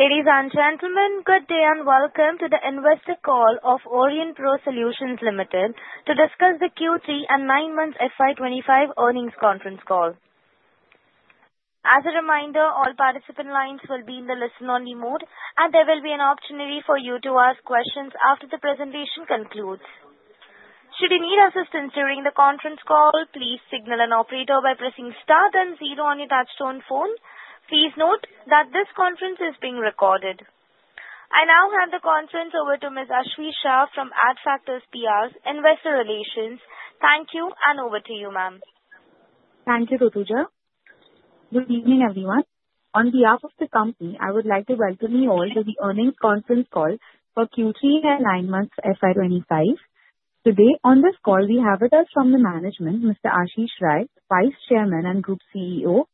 Ladies and gentlemen, good day and welcome to the investor call of Aurionpro Solutions Limited to discuss the Q3 and 9 months FY 2025 earnings conference call. As a reminder, all participant lines will be in the listen-only mode, and there will be an option for you to ask questions after the presentation concludes. Should you need assistance during the conference call, please signal an operator by pressing star and zero on your touch-tone phone. Please note that this conference is being recorded. I now hand the conference over to Ms. Aashvi Shah from Adfactors PR's Investor Relations. Thank you, and over to you, ma'am. Thank you, Rutuja. Good evening, everyone. On behalf of the company, I would like to welcome you all to the earnings conference call for Q3 and 9 months FY 2025. Today on this call, we have with us from the management, Mr. Ashish Rai, Vice Chairman and Group CEO,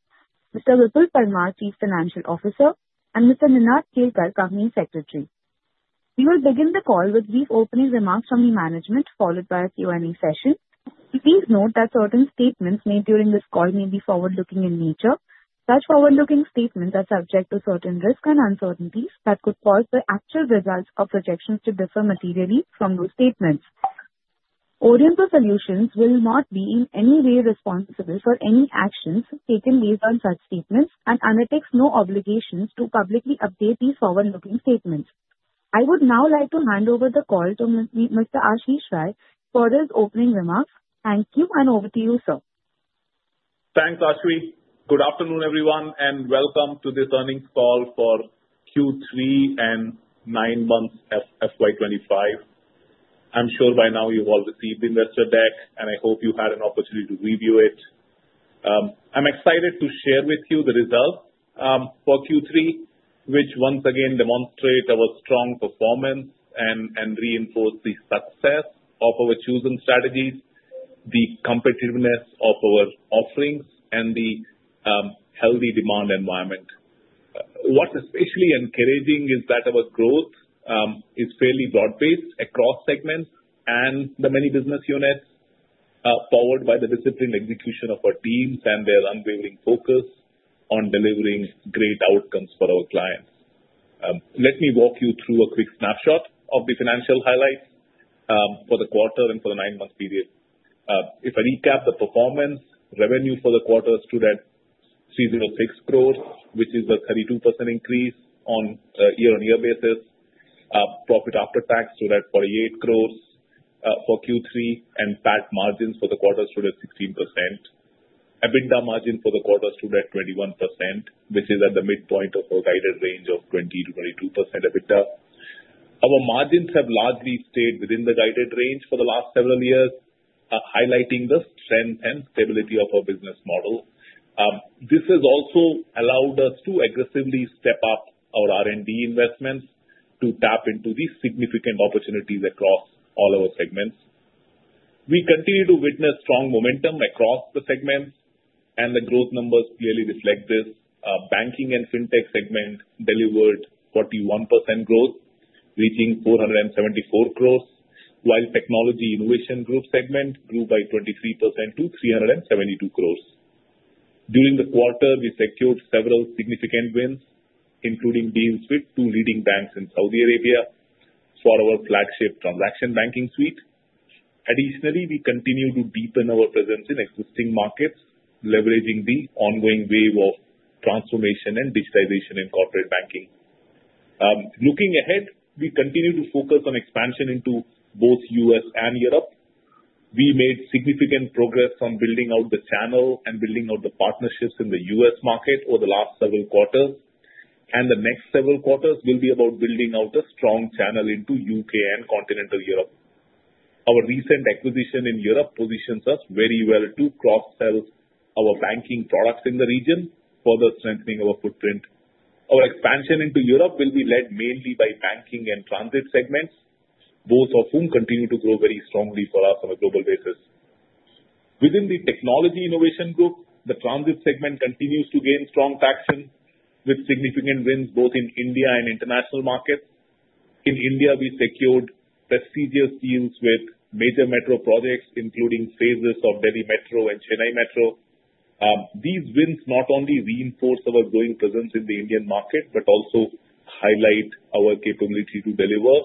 Mr. Vipul Parmar, Chief Financial Officer, and Mr. Ninad Kelkar, Company Secretary. We will begin the call with brief opening remarks from the management, followed by a Q&A session. Please note that certain statements made during this call may be forward-looking in nature. Such forward-looking statements are subject to certain risks and uncertainties that could cause the actual results of projections to differ materially from those statements. Aurionpro Solutions will not be in any way responsible for any actions taken based on such statements and undertakes no obligations to publicly update these forward-looking statements. I would now like to hand over the call to Mr. Ashish Rai for his opening remarks. Thank you, and over to you, sir. Thanks, Ashi. Good afternoon, everyone, and welcome to this earnings call for Q3 and 9 months FY 2025. I'm sure by now you've all received the investor deck, and I hope you had an opportunity to review it. I'm excited to share with you the results for Q3, which once again demonstrate our strong performance and reinforce the success of our chosen strategies, the competitiveness of our offerings, and the healthy demand environment. What's especially encouraging is that our growth is fairly broad-based across segments and the many business units powered by the disciplined execution of our teams and their unwavering focus on delivering great outcomes for our clients. Let me walk you through a quick snapshot of the financial highlights for the quarter and for the 9-month period. If I recap the performance, revenue for the quarter stood at 306 crores, which is a 32% increase on a year-on-year basis. Profit after tax stood at 48 crores for Q3, and PAT margins for the quarter stood at 16%. EBITDA margin for the quarter stood at 21%, which is at the midpoint of our guided range of 20%-22% EBITDA. Our margins have largely stayed within the guided range for the last several years, highlighting the strength and stability of our business model. This has also allowed us to aggressively step up our R&D investments to tap into these significant opportunities across all our segments. We continue to witness strong momentum across the segments, and the growth numbers clearly reflect this. Banking and fintech segment delivered 41% growth, reaching 474 crores, while Technology Innovation Group segment grew by 23% to 372 crores. During the quarter, we secured several significant wins, including deals with two leading banks in Saudi Arabia for our flagship Transaction Banking Suite. Additionally, we continue to deepen our presence in existing markets, leveraging the ongoing wave of transformation and digitization in corporate banking. Looking ahead, we continue to focus on expansion into both U.S. and Europe. We made significant progress on building out the channel and building out the partnerships in the U.S. market over the last several quarters, and the next several quarters will be about building out a strong channel into U.K. and continental Europe. Our recent acquisition in Europe positions us very well to cross-sell our banking products in the region for the strengthening of our footprint. Our expansion into Europe will be led mainly by banking and transit segments, both of whom continue to grow very strongly for us on a global basis. Within the technology innovation group, the transit segment continues to gain strong traction with significant wins both in India and international markets. In India, we secured prestigious deals with major metro projects, including phases of Delhi Metro and Chennai Metro. These wins not only reinforce our growing presence in the Indian market but also highlight our capability to deliver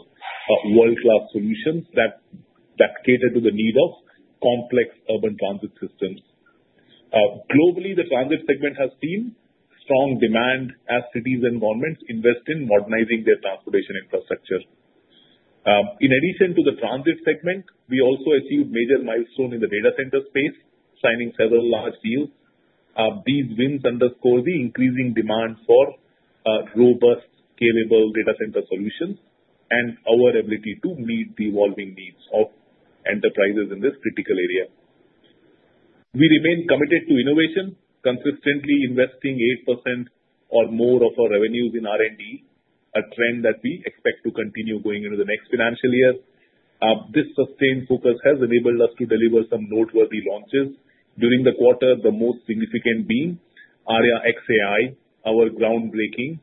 world-class solutions that cater to the need of complex urban transit systems. Globally, the transit segment has seen strong demand as cities and governments invest in modernizing their transportation infrastructure. In addition to the transit segment, we also achieved major milestones in the data center space, signing several large deals. These wins underscore the increasing demand for robust, scalable data center solutions and our ability to meet the evolving needs of enterprises in this critical area. We remain committed to innovation, consistently investing 8% or more of our revenues in R&D, a trend that we expect to continue going into the next financial year. This sustained focus has enabled us to deliver some noteworthy launches during the quarter, the most significant being AryaXAI, our groundbreaking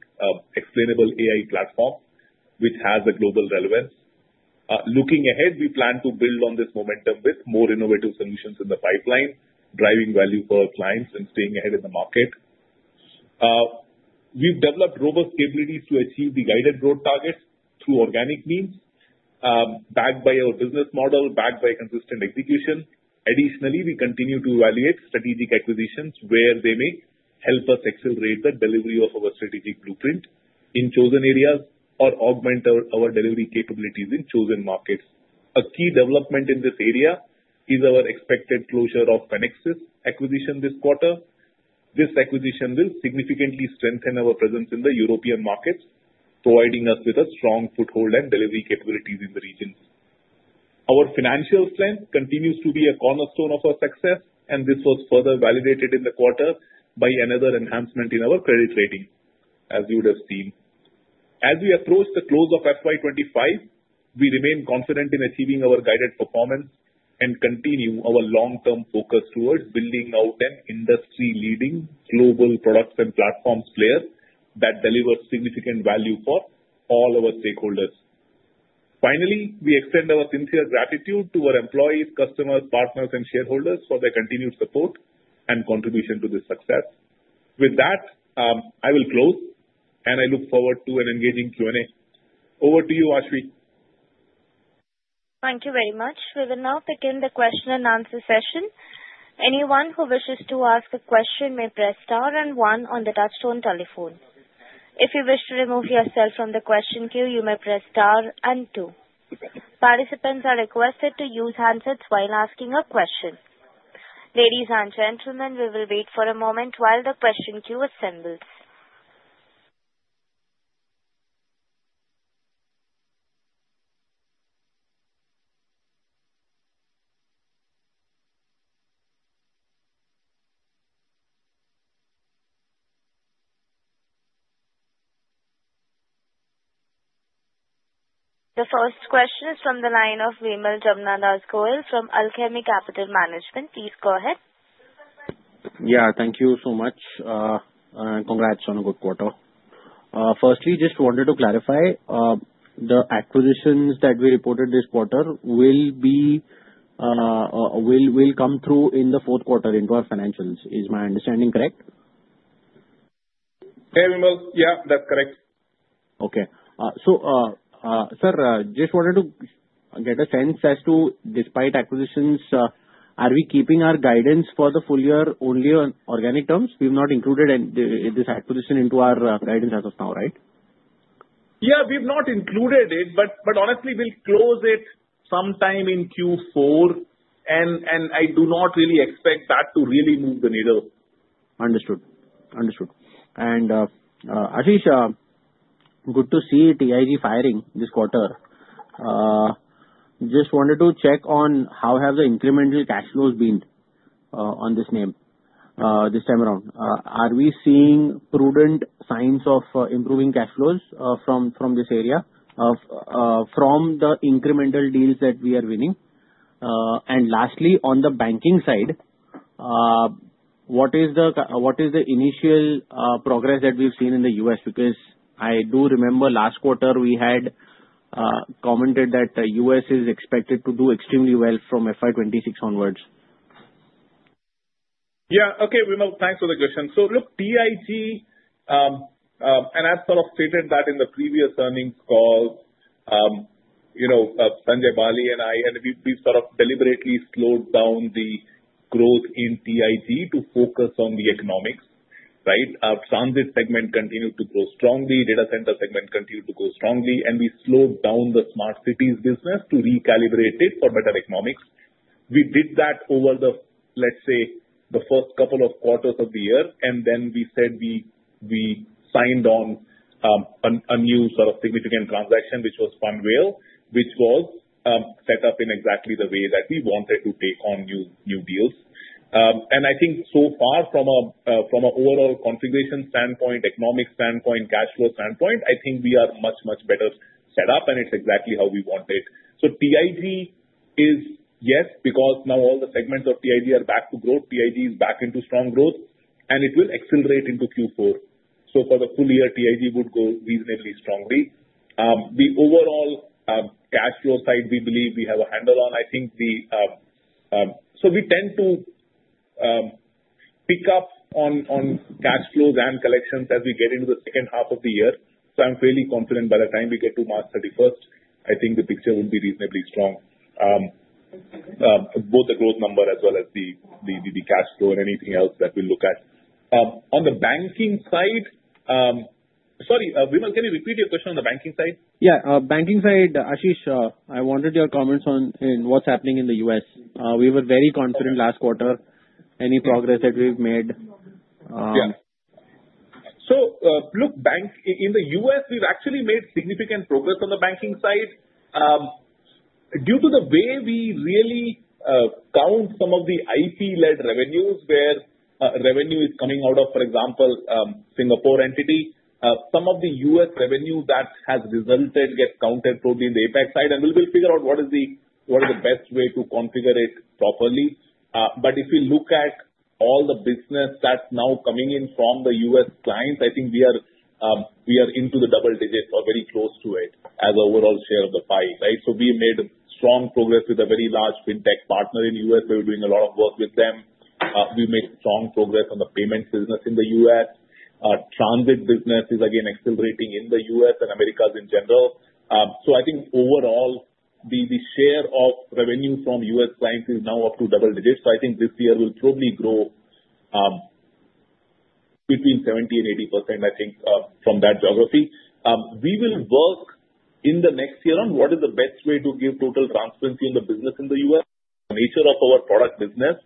explainable AI platform, which has a global relevance. Looking ahead, we plan to build on this momentum with more innovative solutions in the pipeline, driving value for our clients and staying ahead in the market. We've developed robust capabilities to achieve the guided growth targets through organic means, backed by our business model, backed by consistent execution. Additionally, we continue to evaluate strategic acquisitions where they may help us accelerate the delivery of our strategic blueprint in chosen areas or augment our delivery capabilities in chosen markets. A key development in this area is our expected closure of Fenixys acquisition this quarter. This acquisition will significantly strengthen our presence in the European markets, providing us with a strong foothold and delivery capabilities in the region. Our financial plan continues to be a cornerstone of our success, and this was further validated in the quarter by another enhancement in our credit rating, as you would have seen. As we approach the close of FY 2025, we remain confident in achieving our guided performance and continue our long-term focus towards building out an industry-leading global products and platforms player that delivers significant value for all our stakeholders. Finally, we extend our sincere gratitude to our employees, customers, partners, and shareholders for their continued support and contribution to this success. With that, I will close, and I look forward to an engaging Q&A. Over to you, Ashi. Thank you very much. We will now begin the question and answer session. Anyone who wishes to ask a question may press star and one on the touch-tone telephone. If you wish to remove yourself from the question queue, you may press star and two. Participants are requested to use handsets while asking a question. Ladies and gentlemen, we will wait for a moment while the question queue assembles. The first question is from the line of Vimal Gohil from Alchemy Capital Management. Please go ahead. Yeah, thank you so much, and congrats on a good quarter. Firstly, just wanted to clarify, the acquisitions that we reported this quarter will come through in the fourth quarter into our financials. Is my understanding correct? Hey, Vimal, yeah, that's correct. Okay. So, sir, just wanted to get a sense as to, despite acquisitions, are we keeping our guidance for the full year only on organic terms? We've not included this acquisition into our guidance as of now, right? Yeah, we've not included it, but honestly, we'll close it sometime in Q4, and I do not really expect that to really move the needle. Understood. Understood. And Ashish, good to see TIG firing this quarter. Just wanted to check on how have the incremental cash flows been on this name this time around? Are we seeing prudent signs of improving cash flows from this area from the incremental deals that we are winning? And lastly, on the banking side, what is the initial progress that we've seen in the U.S.? Because I do remember last quarter we had commented that the U.S. is expected to do extremely well from FY 2026 onwards. Yeah, okay, Vimal, thanks for the question. So look, TIG, and I've sort of stated that in the previous earnings call, Sanjay Bali and I, and we've sort of deliberately slowed down the growth in TIG to focus on the economics, right? Transit segment continued to grow strongly, data center segment continued to grow strongly, and we slowed down the smart cities business to recalibrate it for better economics. We did that over the, let's say, the first couple of quarters of the year, and then we said we signed on a new sort of significant transaction, which was Panvel Municipal Corporation, which was set up in exactly the way that we wanted to take on new deals. And I think so far from an overall configuration standpoint, economic standpoint, cash flow standpoint, I think we are much, much better set up, and it's exactly how we wanted. So TIG is, yes, because now all the segments of TIG are back to growth, TIG is back into strong growth, and it will accelerate into Q4. So for the full year, TIG would go reasonably strongly. The overall cash flow side, we believe we have a handle on. I think the, so we tend to pick up on cash flows and collections as we get into the second half of the year. So I'm fairly confident by the time we get to March 31st, I think the picture will be reasonably strong, both the growth number as well as the cash flow and anything else that we look at. On the banking side, sorry, Vimal, can you repeat your question on the banking side? Yeah, banking side, Ashish, I wanted your comments on what's happening in the U.S. We were very confident last quarter, any progress that we've made. Yeah. So look, in the U.S., we've actually made significant progress on the banking side. Due to the way we really count some of the IP-led revenues, where revenue is coming out of, for example, Singapore entity, some of the U.S. revenue that has resulted gets counted toward the APAC side, and we'll figure out what is the best way to configure it properly. But if you look at all the business that's now coming in from the U.S. clients, I think we are into the double digits or very close to it as an overall share of the pie, right? So we made strong progress with a very large fintech partner in the U.S. We were doing a lot of work with them. We made strong progress on the payments business in the U.S. Transit business is, again, accelerating in the U.S. and Americas in general. So I think overall, the share of revenue from U.S. clients is now up to double digits. So I think this year will probably grow between 70% and 80%, I think, from that geography. We will work in the next year on what is the best way to give total transparency on the business in the U.S. The nature of our product business,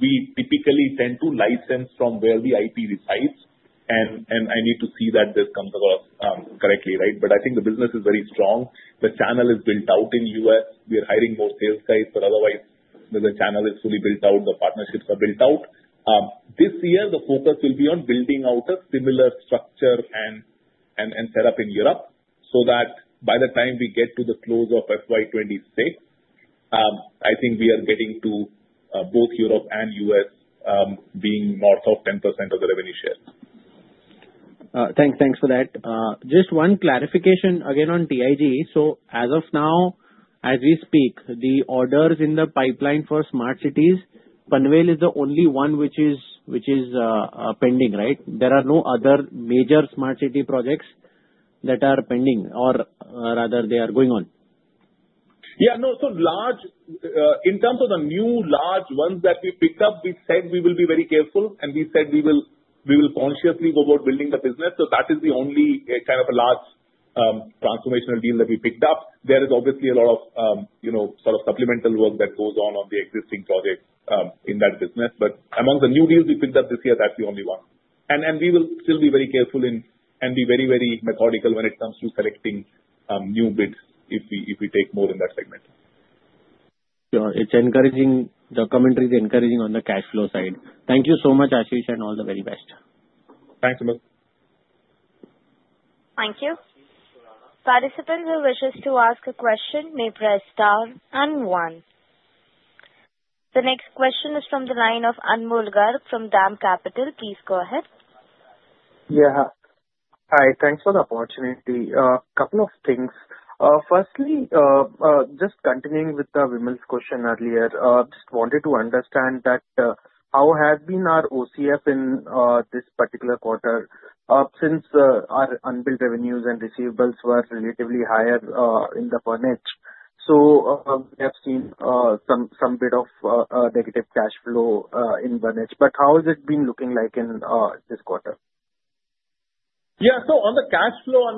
we typically tend to license from where the IP resides, and I need to see that this comes across correctly, right? But I think the business is very strong. The channel is built out in the U.S. We are hiring more sales guys, but otherwise, the channel is fully built out. The partnerships are built out. This year, the focus will be on building out a similar structure and setup in Europe so that by the time we get to the close of FY 2026, I think we are getting to both Europe and U.S. being north of 10% of the revenue share. Thanks for that. Just one clarification again on TIG. So as of now, as we speak, the orders in the pipeline for smart cities, Panvel is the only one which is pending, right? There are no other major smart city projects that are pending, or rather, they are going on. Yeah, no, so large, in terms of the new large ones that we picked up, we said we will be very careful, and we said we will consciously go about building the business, so that is the only kind of large transformational deal that we picked up. There is obviously a lot of sort of supplemental work that goes on on the existing projects in that business, but among the new deals we picked up this year, that's the only one, and we will still be very careful and be very, very methodical when it comes to selecting new bids if we take more in that segment. Sure. It's encouraging. The commentary is encouraging on the cash flow side. Thank you so much, Ashish, and all the very best. Thanks, Vimal. Thank you. Participants who wish to ask a question may press star and one. The next question is from the line of Anmol Garg from Dam Capital. Please go ahead. Yeah, hi. Thanks for the opportunity. A couple of things. Firstly, just continuing with Vimal's question earlier, I just wanted to understand how has been our OCF in this particular quarter since our unbilled revenues and receivables were relatively higher in the quarter? So we have seen some bit of negative cash flow in the quarter. But how has it been looking like in this quarter? Yeah, so on the cash flow,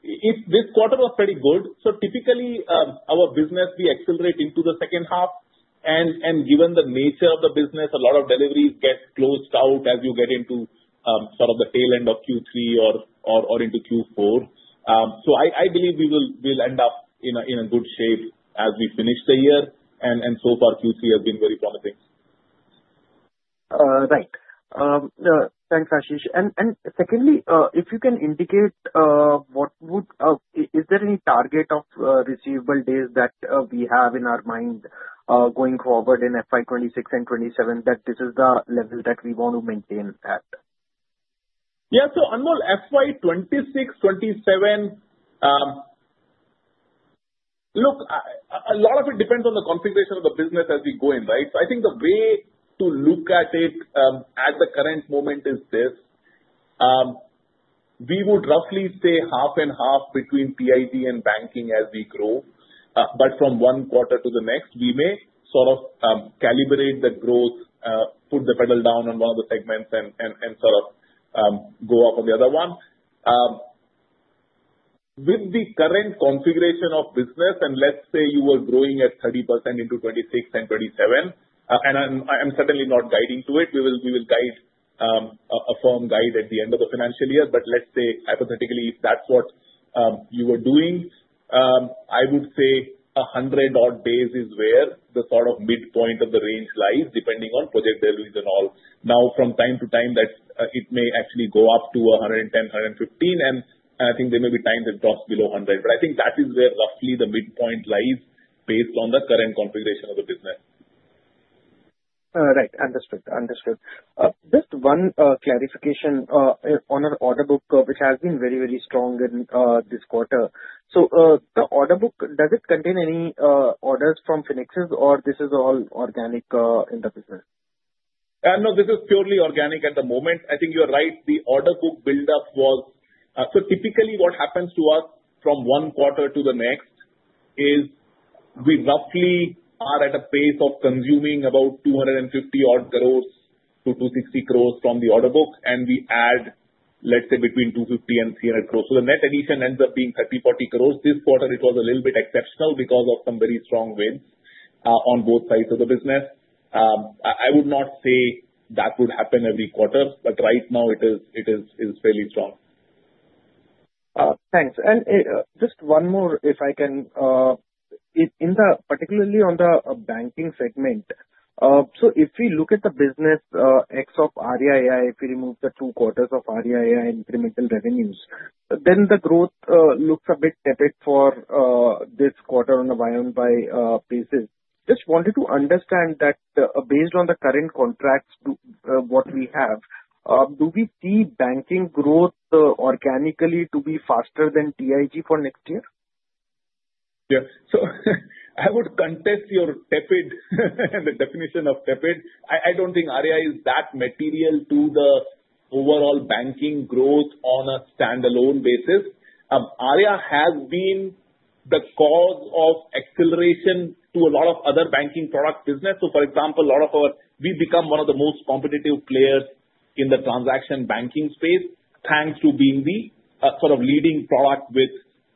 Anmol, this quarter was pretty good. So typically, our business, we accelerate into the second half. And given the nature of the business, a lot of deliveries get closed out as you get into sort of the tail end of Q3 or into Q4. So I believe we will end up in a good shape as we finish the year. And so far, Q3 has been very promising. Right. Thanks, Ashish. And secondly, if you can indicate what is there any target of receivable days that we have in our mind going forward in FY 2026 and 2027 that this is the level that we want to maintain at? Yeah, so Anmol, FY 2026, 2027, look, a lot of it depends on the configuration of the business as we go in, right? So I think the way to look at it at the current moment is this. We would roughly say half and half between TIG and banking as we grow. But from one quarter to the next, we may sort of calibrate the growth, put the pedal down on one of the segments, and sort of go up on the other one. With the current configuration of business, and let's say you were growing at 30% into 2026 and 2027, and I'm certainly not guiding to it. We will guide a firm guide at the end of the financial year. But let's say, hypothetically, if that's what you were doing, I would say 100 odd days is where the sort of midpoint of the range lies depending on project deliveries and all. Now, from time to time, it may actually go up to 110, 115, and I think there may be times it drops below 100. But I think that is where roughly the midpoint lies based on the current configuration of the business. Right. Understood. Understood. Just one clarification on our order book, which has been very, very strong this quarter. So the order book, does it contain any orders from Fenixys, or this is all organic in the business? No, this is purely organic at the moment. I think you're right. The order book buildup was. So typically what happens to us from one quarter to the next is we roughly are at a pace of consuming about 250-odd crores to 260 crores from the order book, and we add, let's say, between 250 crores-300 crores. So the net addition ends up being 30 crores-40 crores. This quarter, it was a little bit exceptional because of some very strong wins on both sides of the business. I would not say that would happen every quarter, but right now, it is fairly strong. Thanks. And just one more, if I can, particularly on the banking segment. So if we look at the business ex of Arya.ai, if we remove the two quarters of Arya.ai incremental revenues, then the growth looks a bit tepid for this quarter on a year-on-year basis. Just wanted to understand that based on the current contracts, what we have, do we see banking growth organically to be faster than TIG for next year? Yeah. So I would contest your tepid and the definition of tepid. I don't think Arya is that material to the overall banking growth on a standalone basis. Arya has been the cause of acceleration to a lot of other banking product business. So for example, a lot of our we've become one of the most competitive players in the transaction banking space thanks to being the sort of leading product with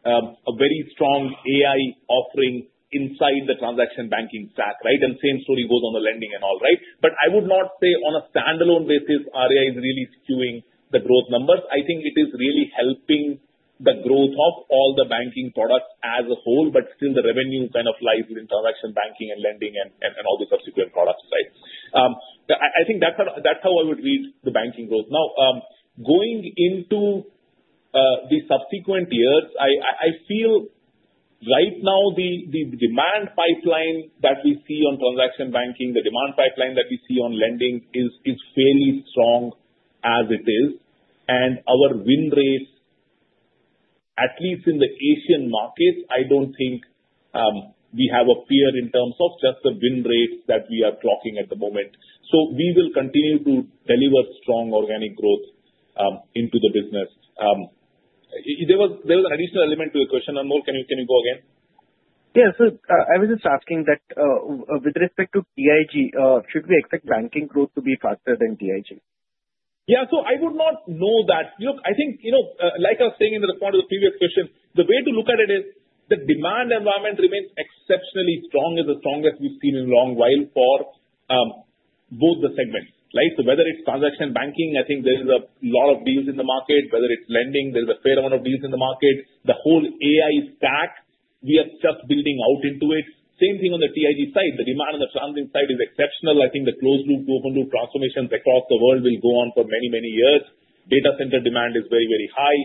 a very strong AI offering inside the transaction banking stack, right? And same story goes on the lending and all, right? But I would not say on a standalone basis, Arya is really skewing the growth numbers. I think it is really helping the growth of all the banking products as a whole, but still the revenue kind of lies within transaction banking and lending and all the subsequent products, right? I think that's how I would read the banking growth. Now, going into the subsequent years, I feel right now the demand pipeline that we see on transaction banking, the demand pipeline that we see on lending is fairly strong as it is. And our win rates, at least in the Asian markets, I don't think we have a peer in terms of just the win rates that we are clocking at the moment. So we will continue to deliver strong organic growth into the business. There was an additional element to the question. Anmol, can you go again? Yeah. So I was just asking that with respect to TIG, should we expect banking growth to be faster than TIG? Yeah. So I would not know that. Look, I think, like I was saying in the response to the previous question, the way to look at it is the demand environment remains exceptionally strong. It's the strongest we've seen in a long while for both the segments, right? So whether it's transaction banking, I think there is a lot of deals in the market. Whether it's lending, there's a fair amount of deals in the market. The whole AI stack, we are just building out into it. Same thing on the TIG side. The demand on the transit side is exceptional. I think the closed-loop, open-loop transformations across the world will go on for many, many years. Data center demand is very, very high.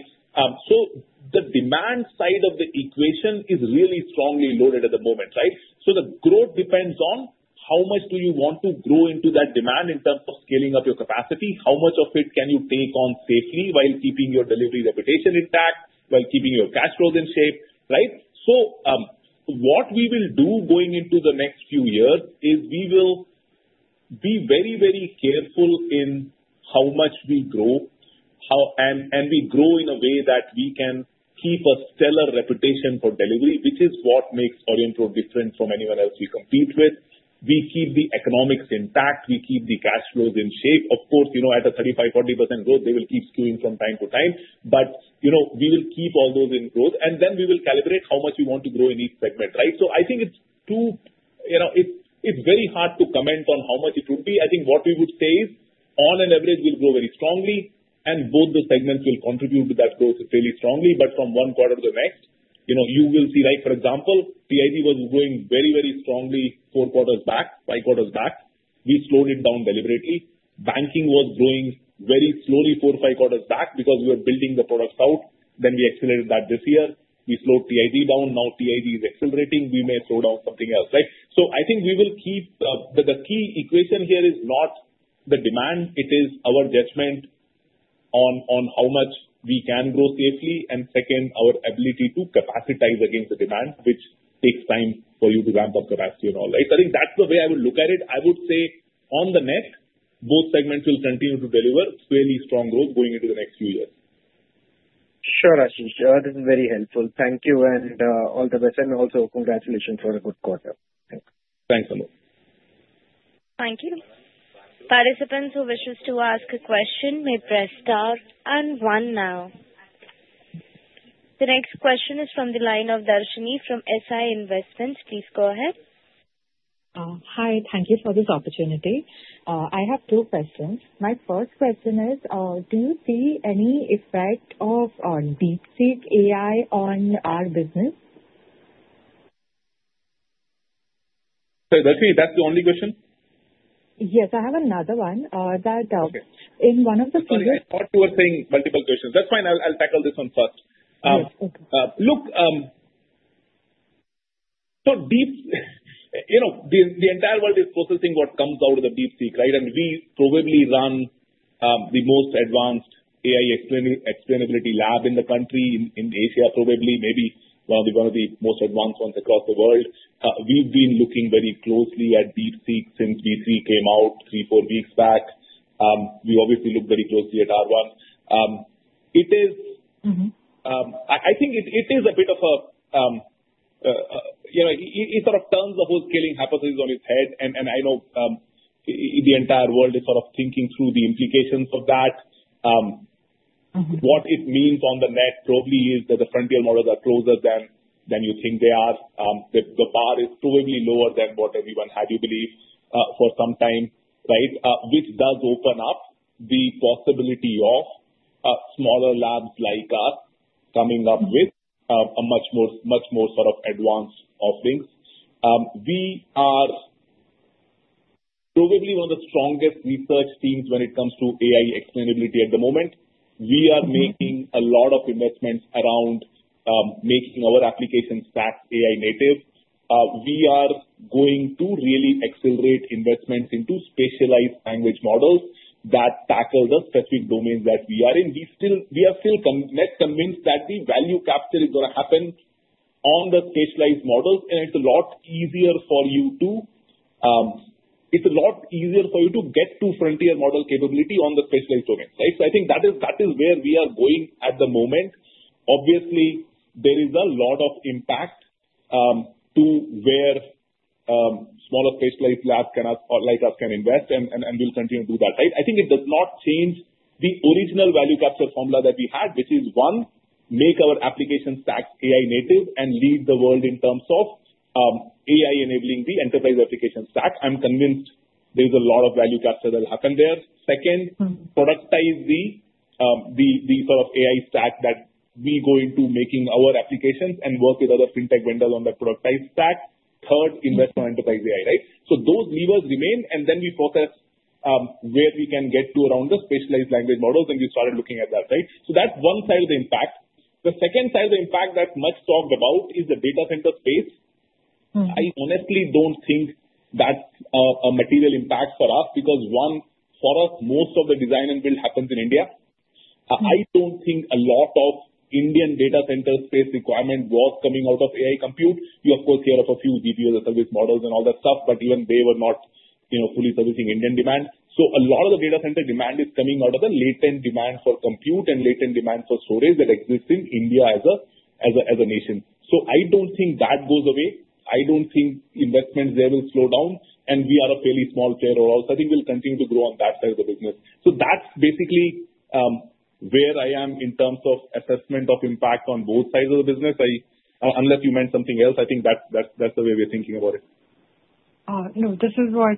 So the demand side of the equation is really strongly loaded at the moment, right? So the growth depends on how much do you want to grow into that demand in terms of scaling up your capacity, how much of it can you take on safely while keeping your delivery reputation intact, while keeping your cash flows in shape, right? So what we will do going into the next few years is we will be very, very careful in how much we grow, and we grow in a way that we can keep a stellar reputation for delivery, which is what makes Aurionpro different from anyone else we compete with. We keep the economics intact. We keep the cash flows in shape. Of course, at a 35%-40% growth, they will keep skewing from time to time, but we will keep all those in growth, and then we will calibrate how much we want to grow in each segment, right? So I think it's very hard to comment on how much it would be. I think what we would say is, on an average, we'll grow very strongly, and both the segments will contribute to that growth fairly strongly. But from one quarter to the next, you will see, for example, TIG was growing very, very strongly four quarters back, five quarters back. We slowed it down deliberately. Banking was growing very slowly four or five quarters back because we were building the products out. Then we accelerated that this year. We slowed TIG down. Now TIG is accelerating. We may slow down something else, right? So I think we will keep the key equation here is not the demand. It is our judgment on how much we can grow safely. And second, our ability to capacitize against the demand, which takes time for you to ramp up capacity and all, right? So I think that's the way I would look at it. I would say on the net, both segments will continue to deliver fairly strong growth going into the next few years. Sure, Ashish. That is very helpful. Thank you and all the best. And also, congratulations for a good quarter. Thanks. Thanks, Anmol. Thank you. Participants who wishes to ask a question may press star and one now. The next question is from the line of Darshini from SI Investments. Please go ahead. Hi. Thank you for this opportunity. I have two questions. My first question is, do you see any effect of DeepSeek AI on our business? Sorry, Darshini, that's the only question? Yes, I have another one that in one of the previous. Oh, I thought you were saying multiple questions. That's fine. I'll tackle this one first. Yes. Okay. Look, so the entire world is processing what comes out of the DeepSeek, right? And we probably run the most advanced AI explainability lab in the country, in Asia, probably maybe one of the most advanced ones across the world. We've been looking very closely at DeepSeek since V3 came out three, four weeks back. We obviously look very closely at R1. I think it is a bit of a it sort of turns the whole scaling hypothesis on its head. And I know the entire world is sort of thinking through the implications of that. What it means on the net probably is that the frontier models are closer than you think they are. The bar is probably lower than what everyone had you believe for some time, right? Which does open up the possibility of smaller labs like us coming up with a much more sort of advanced offerings. We are probably one of the strongest research teams when it comes to AI explainability at the moment. We are making a lot of investments around making our application stack AI native. We are going to really accelerate investments into specialized language models that tackle the specific domains that we are in. We are still convinced that the value capture is going to happen on the specialized models, and it's a lot easier for you to get to frontier model capability on the specialized domains, right? So I think that is where we are going at the moment. Obviously, there is a lot of impact to where smaller specialized labs like us can invest, and we'll continue to do that, right? I think it does not change the original value capture formula that we had, which is, one, make our application stack AI native and lead the world in terms of AI enabling the enterprise application stack. I'm convinced there's a lot of value capture that will happen there. Second, productize the sort of AI stack that we go into making our applications and work with other fintech vendors on that productized stack. Third, invest in enterprise AI, right? So those levers remain, and then we focus where we can get to around the specialized language models, and we started looking at that, right? So that's one side of the impact. The second side of the impact that's much talked about is the data center space. I honestly don't think that's a material impact for us because, one, for us, most of the design and build happens in India. I don't think a lot of Indian data center space requirement was coming out of AI compute. You, of course, hear of a few GPU as a service models and all that stuff, but even they were not fully servicing Indian demand. So a lot of the data center demand is coming out of the latent demand for compute and latent demand for storage that exists in India as a nation. So I don't think that goes away. I don't think investments there will slow down, and we are a fairly small player or else. I think we'll continue to grow on that side of the business. So that's basically where I am in terms of assessment of impact on both sides of the business. Unless you meant something else, I think that's the way we're thinking about it. No, this is what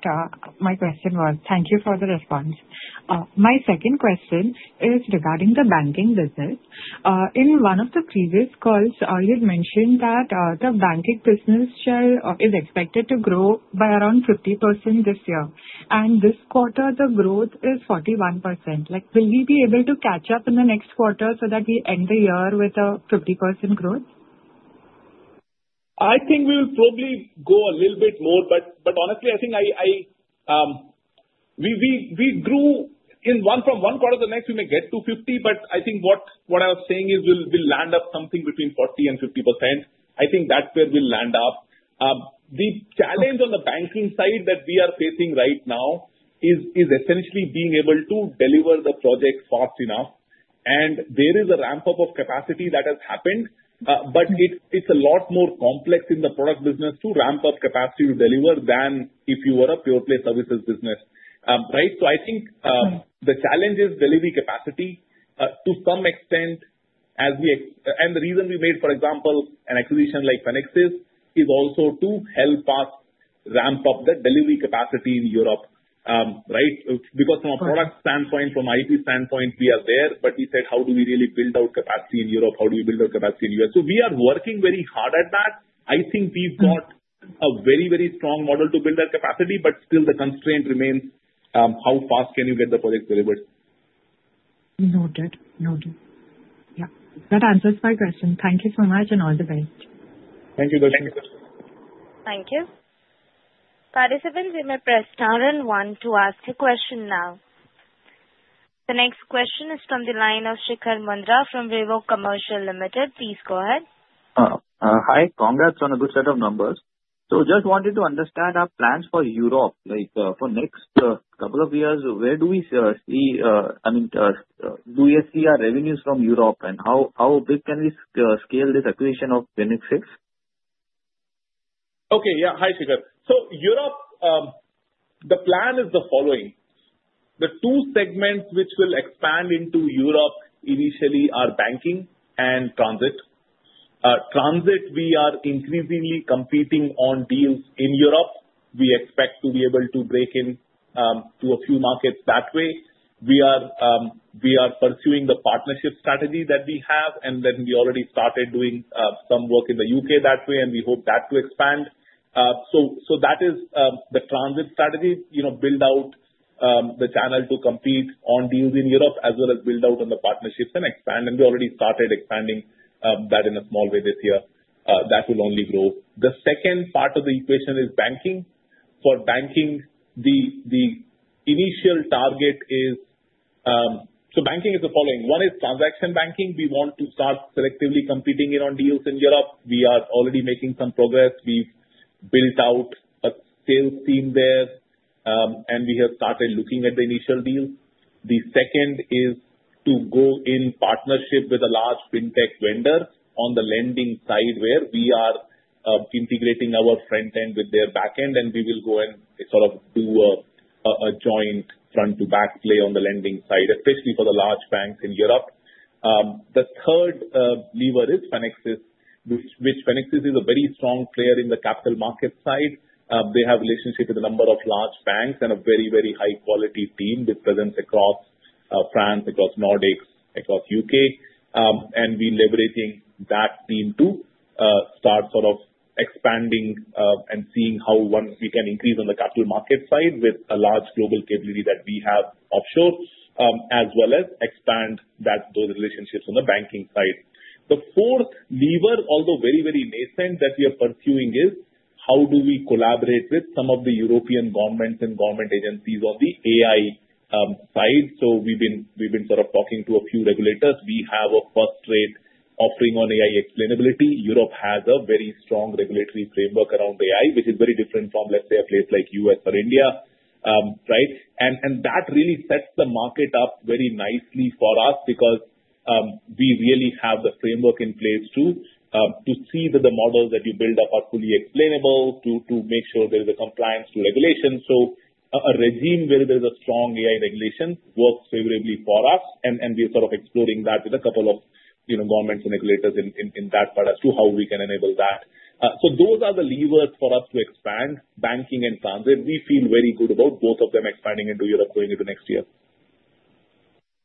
my question was. Thank you for the response. My second question is regarding the banking business. In one of the previous calls, you had mentioned that the banking business share is expected to grow by around 50% this year. And this quarter, the growth is 41%. Will we be able to catch up in the next quarter so that we end the year with a 50% growth? I think we will probably go a little bit more, but honestly, I think we grew from one quarter to the next, we may get to 50%, but I think what I was saying is we'll land at something between 40% and 50%. I think that's where we'll land up. The challenge on the banking side that we are facing right now is essentially being able to deliver the project fast enough. And there is a ramp-up of capacity that has happened, but it's a lot more complex in the product business to ramp up capacity to deliver than if you were a pure-play services business, right? So I think the challenge is delivery capacity to some extent, and the reason we made, for example, an acquisition like Fenixys is also to help us ramp up the delivery capacity in Europe, right? Because from a product standpoint, from an IT standpoint, we are there, but we said, "How do we really build out capacity in Europe? How do we build out capacity in the U.S.?" So we are working very hard at that. I think we've got a very, very strong model to build that capacity, but still the constraint remains how fast can you get the project delivered. Noted. Noted. Yeah. That answers my question. Thank you so much and all the best. Thank you, Darshini. Thank you. Participants, you may press star and one to ask a question now. The next question is from the line of Shikhar Mundra from Vivog Commercial Limited. Please go ahead. Hi. Congrats on a good set of numbers. So just wanted to understand our plans for Europe. For the next couple of years, where do we see—I mean, do we see—our revenues from Europe, and how big can we scale this acquisition of Fenixys? Okay. Yeah. Hi, Shikhar. So Europe, the plan is the following. The two segments which will expand into Europe initially are banking and transit. Transit, we are increasingly competing on deals in Europe. We expect to be able to break into a few markets that way. We are pursuing the partnership strategy that we have, and then we already started doing some work in the U.K. that way, and we hope that to expand. So that is the transit strategy, build out the channel to compete on deals in Europe, as well as build out on the partnerships and expand. And we already started expanding that in a small way this year. That will only grow. The second part of the equation is banking. For banking, the initial target is so banking is the following. One is transaction banking. We want to start selectively competing in on deals in Europe. We are already making some progress. We've built out a sales team there, and we have started looking at the initial deal. The second is to go in partnership with a large fintech vendor on the lending side where we are integrating our front end with their back end, and we will go and sort of do a joint front-to-back play on the lending side, especially for the large banks in Europe. The third lever is Fenixys, which Fenixys is a very strong player in the capital market side. They have a relationship with a number of large banks and a very, very high-quality team with presence across France, across Nordics, across the U.K. And we're leveraging that team to start sort of expanding and seeing how we can increase on the capital market side with a large global capability that we have offshore, as well as expand those relationships on the banking side. The fourth lever, although very, very nascent, that we are pursuing is how do we collaborate with some of the European governments and government agencies on the AI side. So we've been sort of talking to a few regulators. We have a first-rate offering on AI explainability. Europe has a very strong regulatory framework around AI, which is very different from, let's say, a place like U.S. or India, right? And that really sets the market up very nicely for us because we really have the framework in place to see that the models that you build up are fully explainable, to make sure there is a compliance to regulations. So a regime where there is a strong AI regulation works favorably for us, and we're sort of exploring that with a couple of governments and regulators in that part as to how we can enable that. So those are the levers for us to expand. Banking and transit, we feel very good about both of them expanding into Europe, going into next year.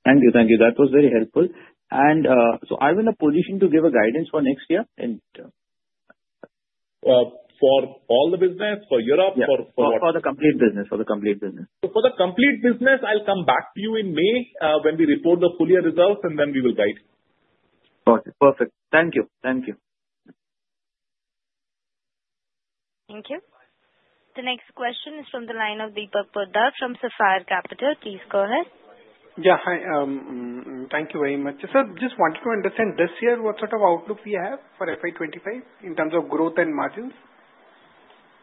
Thank you. Thank you. That was very helpful. And so are we in a position to give a guidance for next year? For all the business? For Europe? For what? For the complete business. So for the complete business, I'll come back to you in May when we report the full year results, and then we will guide. Got it. Perfect. Thank you. Thank you. Thank you. The next question is from the line of Deepak Poddar from Sapphire Capital. Please go ahead. Yeah. Hi. Thank you very much. So just wanted to understand this year, what sort of outlook we have for FY 2025 in terms of growth and margins?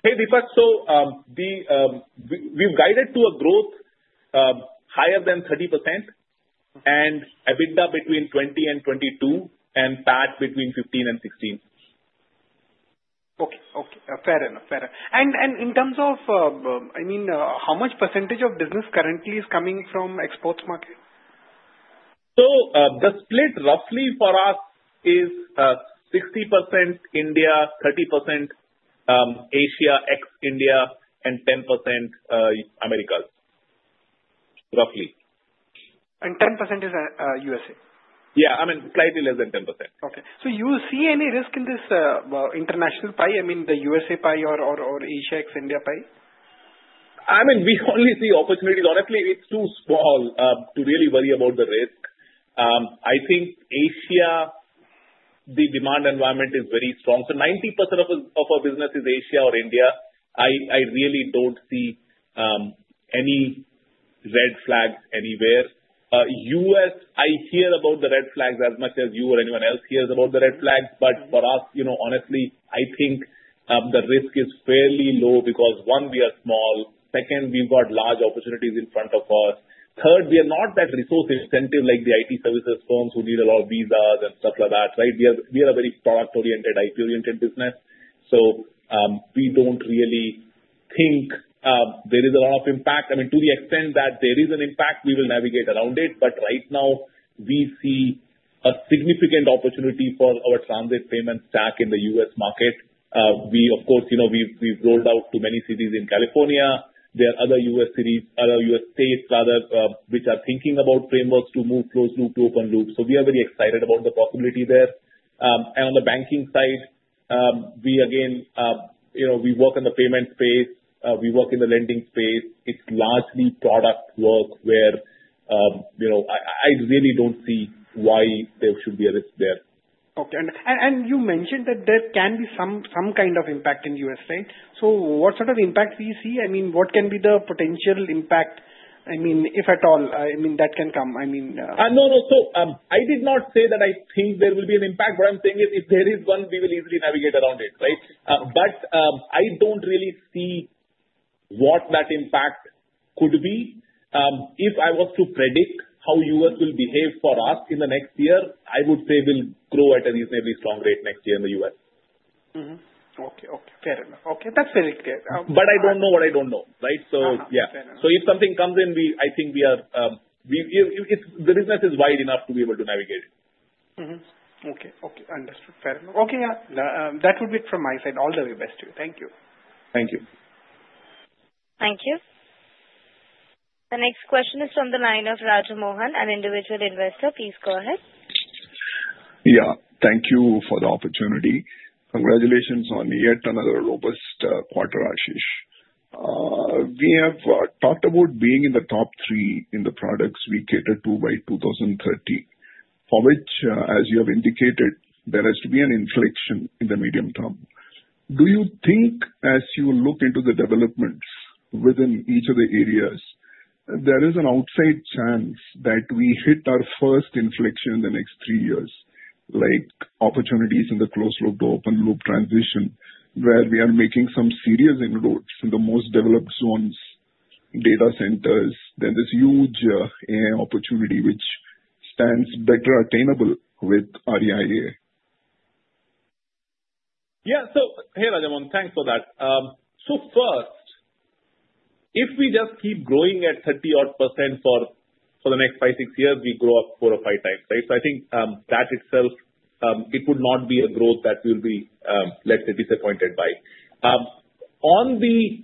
Hey, Deepak. So we've guided to a growth higher than 30% and EBITDA between 20% and 22% and PAT between 15% and 16%. Okay. Fair enough, and in terms of, I mean, how much percentage of business currently is coming from exports market? The split roughly for us is 60% India, 30% Asia, ex-India, and 10% Americas, roughly. 10% is USA? Yeah. I mean, slightly less than 10%. Okay. So you see any risk in this international pie? I mean, the USA pie or Asia ex-India pie? I mean, we only see opportunities. Honestly, it's too small to really worry about the risk. I think Asia, the demand environment is very strong. So 90% of our business is Asia or India. I really don't see any red flags anywhere. U.S., I hear about the red flags as much as you or anyone else hears about the red flags. But for us, honestly, I think the risk is fairly low because, one, we are small. Second, we've got large opportunities in front of us. Third, we are not that resource-intensive like the IT services firms who need a lot of visas and stuff like that, right? We are a very product-oriented, IT-oriented business. So we don't really think there is a lot of impact. I mean, to the extent that there is an impact, we will navigate around it. But right now, we see a significant opportunity for our transit payment stack in the U.S. market. We, of course, we've rolled out to many cities in California. There are other U.S. cities, other U.S. states, which are thinking about frameworks to move closed-loop to open-loop. So we are very excited about the possibility there. And on the banking side, again, we work on the payment space. We work in the lending space. It's largely product work where I really don't see why there should be a risk there. Okay. And you mentioned that there can be some kind of impact in the U.S., right? So what sort of impact do you see? I mean, what can be the potential impact? I mean, if at all, I mean, that can come. I mean. No, no. So I did not say that I think there will be an impact. What I'm saying is, if there is one, we will easily navigate around it, right? But I don't really see what that impact could be. If I was to predict how U.S. will behave for us in the next year, I would say we'll grow at a reasonably strong rate next year in the U.S. Okay. Okay. Fair enough. Okay. That's very good. But I don't know what I don't know, right? So yeah. So if something comes in, I think the business is wide enough to be able to navigate it. Okay. Okay. Understood. Fair enough. Okay. Yeah. That would be it from my side. All the very best to you. Thank you. Thank you. Thank you. The next question is from the line of Rajamohan, an individual investor. Please go ahead. Yeah. Thank you for the opportunity. Congratulations on yet another robust quarter, Ashish. We have talked about being in the top three in the products we cater to by 2030, for which, as you have indicated, there has to be an inflection in the medium term. Do you think, as you look into the developments within each of the areas, there is an outside chance that we hit our first inflection in the next three years, like opportunities in the closed-loop to open-loop transition, where we are making some serious inroads in the most developed zones, data centers, then this huge AI opportunity which stands better attainable with Arya.ai? Yeah. So hey, Rajamohan, thanks for that. So first, if we just keep growing at 30-odd% for the next five, six years, we grow up 4x or 5x, right? So I think that itself, it would not be a growth that we'll be, let's say, disappointed by. On the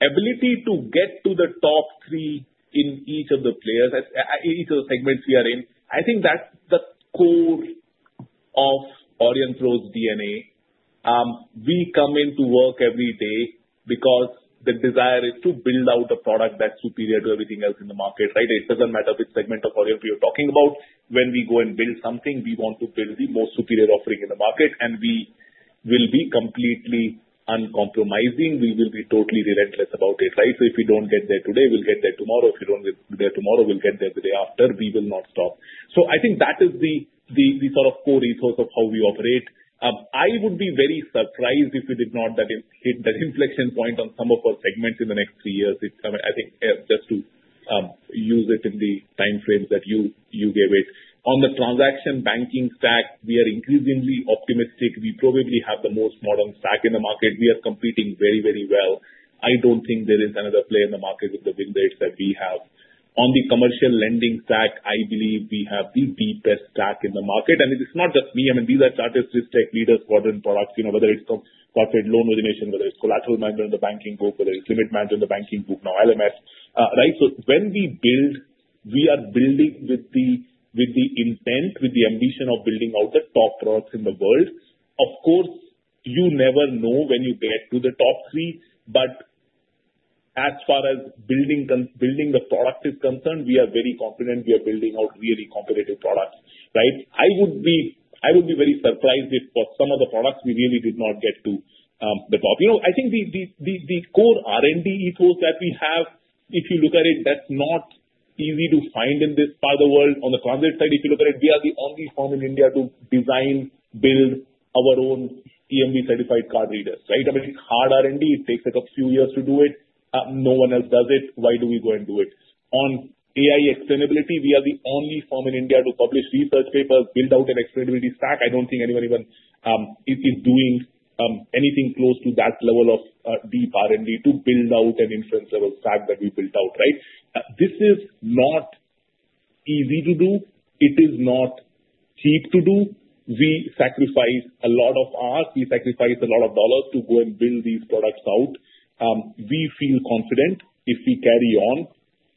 ability to get to the top three players in each of the segments we are in, I think that's the core of Aurionpro's DNA. We come into work every day because the desire is to build out a product that's superior to everything else in the market, right? It doesn't matter which segment of Aurionpro you're talking about. When we go and build something, we want to build the most superior offering in the market, and we will be completely uncompromising. We will be totally relentless about it, right? So if we don't get there today, we'll get there tomorrow. If we don't get there tomorrow, we'll get there the day after. We will not stop. So I think that is the sort of core ethos of how we operate. I would be very surprised if we did not hit that inflection point on some of our segments in the next three years. I think just to use it in the time frames that you gave it. On the transaction banking stack, we are increasingly optimistic. We probably have the most modern stack in the market. We are competing very, very well. I don't think there is another player in the market with the windblades that we have. On the commercial lending stack, I believe we have the best stack in the market. And it's not just me. I mean, these are Chartis, risk-tech leaders, modern products, whether it's corporate loan origination, whether it's collateral management in the banking group, whether it's limit management in the banking group, now LMS, right? So when we build, we are building with the intent, with the ambition of building out the top products in the world. Of course, you never know when you get to the top three. But as far as building the product is concerned, we are very confident we are building out really competitive products, right? I would be very surprised if for some of the products, we really did not get to the top. I think the core R&D ethos that we have, if you look at it, that's not easy to find in this part of the world. On the transit side, if you look at it, we are the only firm in India to design, build our own EMV-certified card readers, right? I mean, it's hard R&D. It takes a few years to do it. No one else does it. Why do we go and do it? On AI explainability, we are the only firm in India to publish research papers, build out an explainability stack. I don't think anyone even is doing anything close to that level of deep R&D to build out an inference-level stack that we built out, right? This is not easy to do. It is not cheap to do. We sacrifice a lot of ours. We sacrifice a lot of dollars to go and build these products out. We feel confident if we carry on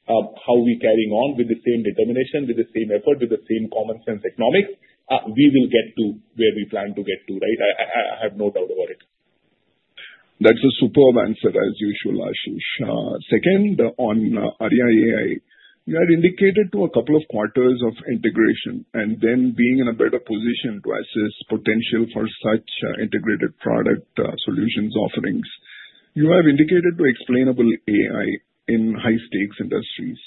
how we're carrying on with the same determination, with the same effort, with the same common sense economics, we will get to where we plan to get to, right? I have no doubt about it. That's a superb answer, as usual, Ashish. Second, on Arya.ai, you have indicated to a couple of quarters of integration and then being in a better position to assess potential for such integrated product solutions offerings. You have indicated to explainable AI in high-stakes industries.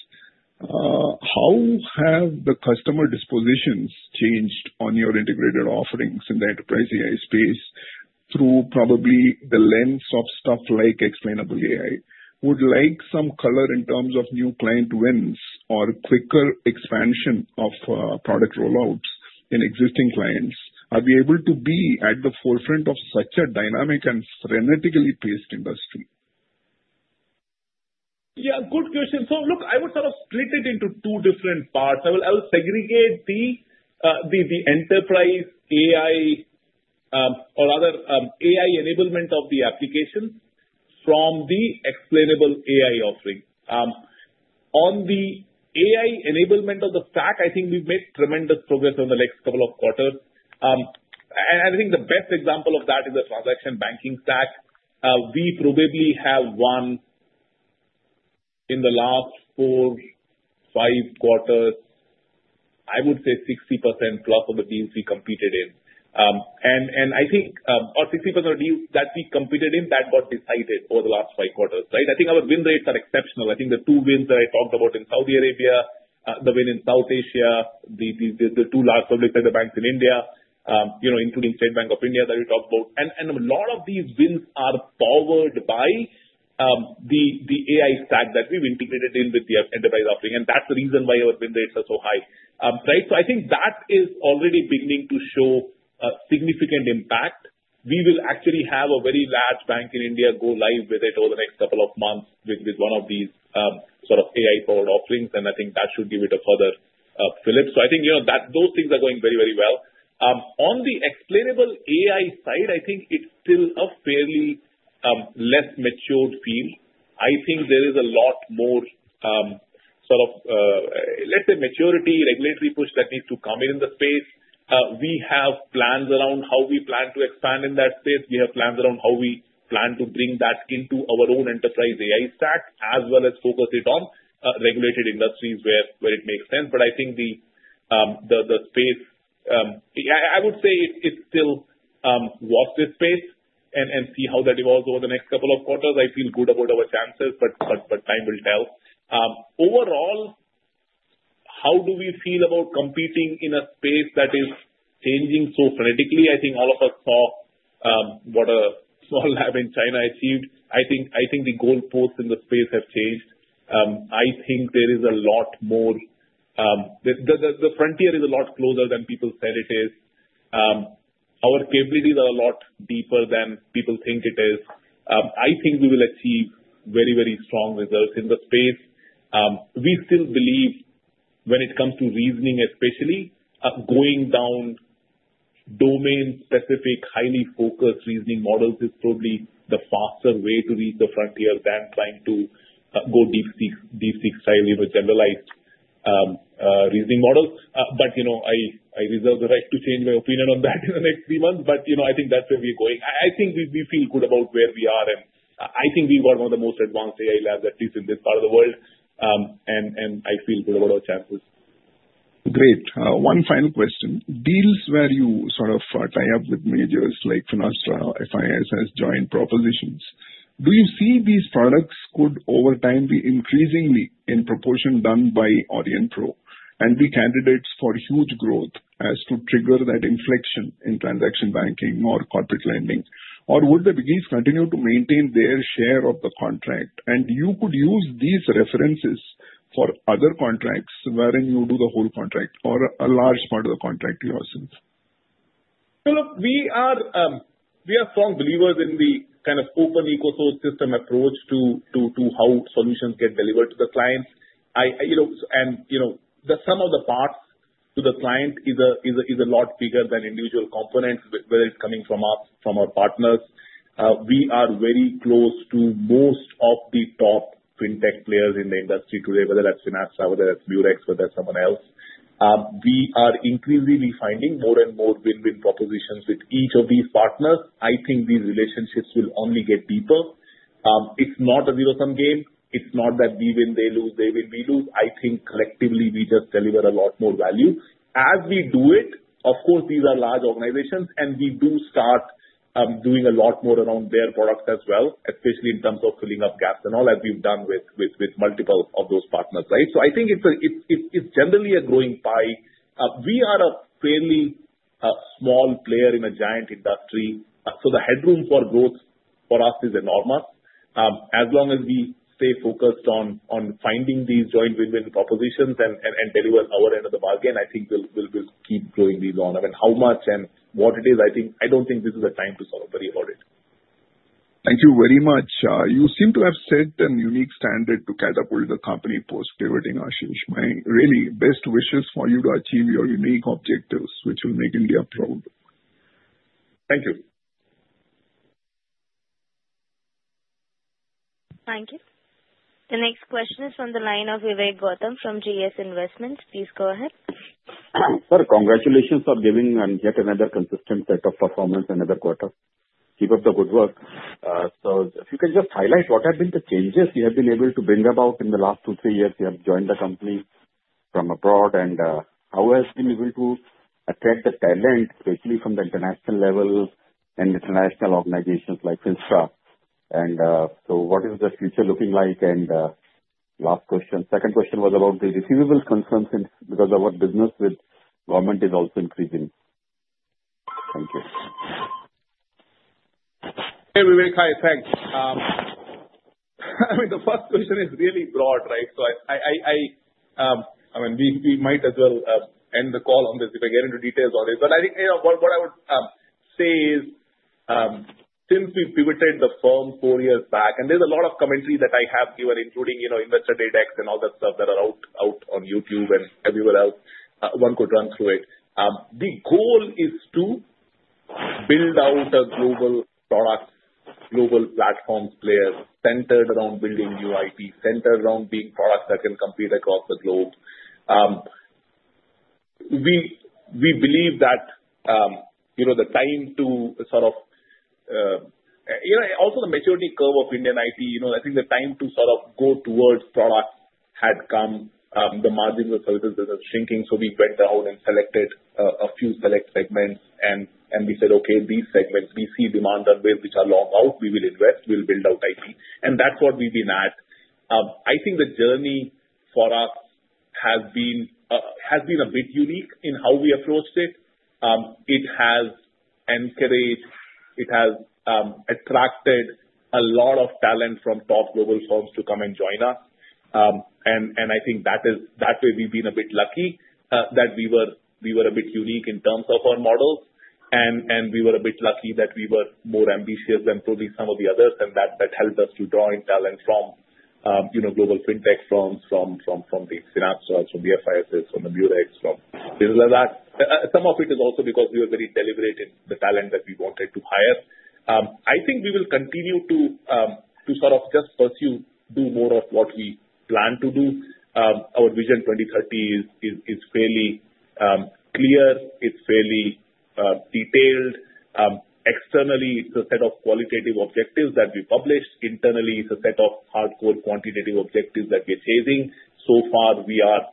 How have the customer dispositions changed on your integrated offerings in the enterprise AI space through probably the lens of stuff like explainable AI? Would like some color in terms of new client wins or quicker expansion of product rollouts in existing clients. Are we able to be at the forefront of such a dynamic and frenetically paced industry? Yeah. Good question. So look, I would sort of split it into two different parts. I will segregate the enterprise AI or other AI enablement of the application from the explainable AI offering. On the AI enablement of the stack, I think we've made tremendous progress over the next couple of quarters. And I think the best example of that is the transaction banking stack. We probably have won in the last four, five quarters, I would say 60%+ of the deals we competed in. And I think, or 60% of the deals that we competed in, that got decided over the last five quarters, right? I think our win rates are exceptional. I think the two wins that I talked about in Saudi Arabia, the win in South Asia, the two large public sector banks in India, including State Bank of India that we talked about. And a lot of these wins are powered by the AI stack that we've integrated in with the enterprise offering. And that's the reason why our win rates are so high, right? So I think that is already beginning to show a significant impact. We will actually have a very large bank in India go live with it over the next couple of months with one of these sort of AI-powered offerings. And I think that should give it a further flip. So I think those things are going very, very well. On the explainable AI side, I think it's still a fairly less matured field. I think there is a lot more sort of, let's say, maturity, regulatory push that needs to come in the space. We have plans around how we plan to expand in that space. We have plans around how we plan to bring that into our own enterprise AI stack as well as focus it on regulated industries where it makes sense. But I think the space, I would say it's still worth the space and see how that evolves over the next couple of quarters. I feel good about our chances, but time will tell. Overall, how do we feel about competing in a space that is changing so frenetically? I think all of us saw what a small lab in China achieved. I think the goalposts in the space have changed. I think there is a lot more the frontier is a lot closer than people said it is. Our capabilities are a lot deeper than people think it is. I think we will achieve very, very strong results in the space. We still believe, when it comes to reasoning, especially going down domain-specific, highly focused reasoning models is probably the faster way to reach the frontier than trying to go DeepSeek style in a generalized reasoning model. But I reserve the right to change my opinion on that in the next three months. But I think that's where we're going. I think we feel good about where we are. And I think we've got one of the most advanced AI labs, at least in this part of the world. And I feel good about our chances. Great. One final question. Deals where you sort of tie up with majors like Finastra, FIS, have joint propositions. Do you see these products could over time be increasingly in proportion done by Aurionpro and be candidates for huge growth as to trigger that inflection in transaction banking or corporate lending? Or would the biggies continue to maintain their share of the contract? And you could use these references for other contracts wherein you do the whole contract or a large part of the contract yourself. So look, we are strong believers in the kind of open ecosystem approach to how solutions get delivered to the clients. And the sum of the parts to the client is a lot bigger than individual components, whether it's coming from our partners. We are very close to most of the top fintech players in the industry today, whether that's Finastra, whether that's Murex, whether that's someone else. We are increasingly finding more and more win-win propositions with each of these partners. I think these relationships will only get deeper. It's not a zero-sum game. It's not that we win, they lose, they win, we lose. I think collectively, we just deliver a lot more value. As we do it, of course, these are large organizations, and we do start doing a lot more around their products as well, especially in terms of filling up gaps and all, as we've done with multiple of those partners, right? So I think it's generally a growing pie. We are a fairly small player in a giant industry. So the headroom for growth for us is enormous. As long as we stay focused on finding these joint win-win propositions and deliver our end of the bargain, I think we'll keep growing these on. I mean, how much and what it is, I don't think this is the time to sort of worry about it. Thank you very much. You seem to have set a unique standard to catapult the company post-pivoting, Ashish. My really best wishes for you to achieve your unique objectives, which will make India proud. Thank you. Thank you. The next question is from the line of Vivek Gautam from GS Investments. Please go ahead. Sir, congratulations for giving yet another consistent set of performance another quarter. Keep up the good work. So if you can just highlight what have been the changes you have been able to bring about in the last two, three years you have joined the company from abroad, and how has it been able to attract the talent, especially from the international level and international organizations like Finastra? And so what is the future looking like? And last question. Second question was about the receivables concerns because our business with government is also increasing. Thank you. Hey, Vivek, hi. Thanks. I mean, the first question is really broad, right? So I mean, we might as well end the call on this if I get into details on it. But I think what I would say is, since we pivoted the firm four years back, and there's a lot of commentary that I have given, including investor data and all that stuff that are out on YouTube and everywhere else. One could run through it. The goal is to build out a global product, global platform player centered around building new IP, centered around being products that can compete across the globe. We believe that the time to sort of also the maturity curve of Indian IP. I think the time to sort of go towards product had come. The margins of services are shrinking, so we went out and selected a few select segments, and we said, "Okay, these segments, we see demand on ways which are long out. We will invest. We will build out IP." And that's what we've been at. I think the journey for us has been a bit unique in how we approached it. It has encouraged. It has attracted a lot of talent from top global firms to come and join us. And I think that way we've been a bit lucky that we were a bit unique in terms of our models. And we were a bit lucky that we were more ambitious than probably some of the others, and that helped us to draw in talent from global fintech firms, from the Finastra, from the FIS, from the Murex, from things like that. Some of it is also because we were very deliberate in the talent that we wanted to hire. I think we will continue to sort of just pursue, do more of what we plan to do. Our vision 2030 is fairly clear. It's fairly detailed. Externally, it's a set of qualitative objectives that we published. Internally, it's a set of hardcore quantitative objectives that we're chasing. So far, we are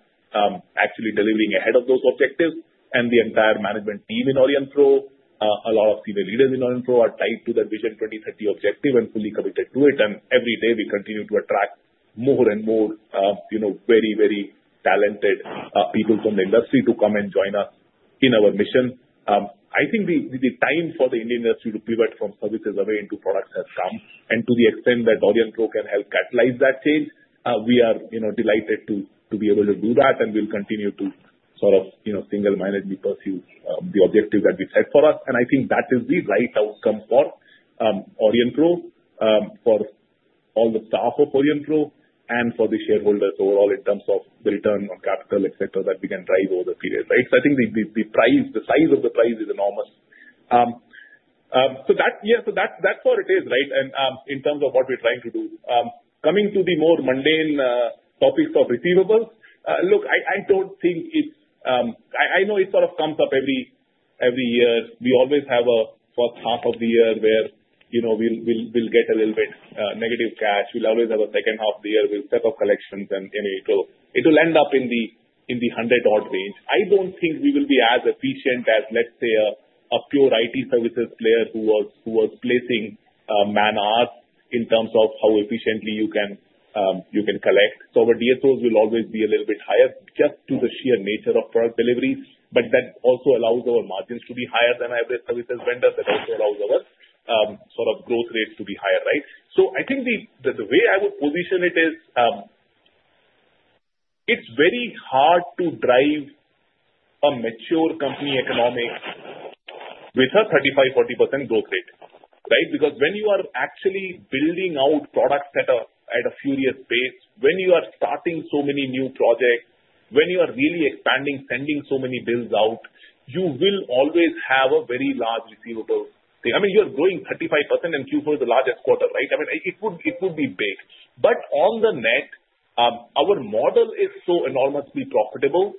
actually delivering ahead of those objectives. And the entire management team in Aurionpro, a lot of senior leaders in Aurionpro are tied to that vision 2030 objective and fully committed to it. And every day, we continue to attract more and more very, very talented people from the industry to come and join us in our mission. I think the time for the Indian industry to pivot from services away into products has come. To the extent that Aurionpro can help catalyze that change, we are delighted to be able to do that. We'll continue to sort of single-mindedly pursue the objective that we've set for us. I think that is the right outcome for Aurionpro, for all the staff of Aurionpro, and for the shareholders overall in terms of the return on capital, etc., that we can drive over the period, right? I think the size of the prize is enormous. Yeah, so that's what it is, right? In terms of what we're trying to do, coming to the more mundane topics of receivables, look, I don't think it's. I know it sort of comes up every year. We always have a first half of the year where we'll get a little bit negative cash. We'll always have a second half of the year with set of collections. And it will end up in the 100-odd range. I don't think we will be as efficient as, let's say, a pure IT services player who was placing man-hours in terms of how efficiently you can collect. So our DSOs will always be a little bit higher just due to the sheer nature of product delivery. But that also allows our margins to be higher than average services vendors. That also allows our sort of growth rates to be higher, right? So I think the way I would position it is, it's very hard to drive a mature company economic with a 35%-40% growth rate, right? Because when you are actually building out products at a furious pace, when you are starting so many new projects, when you are really expanding, sending so many bills out, you will always have a very large receivable. I mean, you're growing 35% in Q4 is the largest quarter, right? I mean, it would be big. But on the net, our model is so enormously profitable,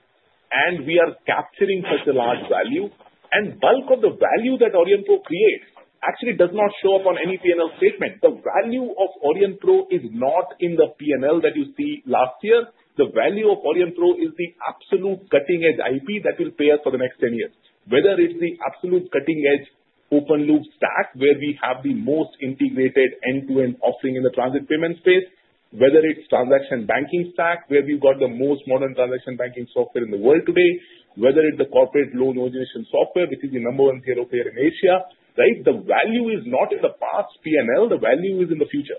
and we are capturing such a large value. And bulk of the value that Aurionpro creates actually does not show up on any P&L statement. The value of Aurionpro is not in the P&L that you see last year. The value of Aurionpro is the absolute cutting-edge IP that will pay us for the next 10 years. Whether it's the absolute cutting-edge open-loop stack where we have the most integrated end-to-end offering in the transit payment space, whether it's transaction banking stack where we've got the most modern transaction banking software in the world today, whether it's the corporate loan origination software, which is the number one hero player in Asia, right? The value is not in the past P&L. The value is in the future.